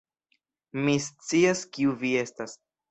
Mi scias, kiu vi estas.